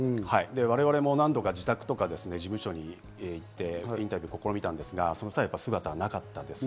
我々も何度か事務所や自宅に行ってインタビューを試みたんですが、その際なかったですね。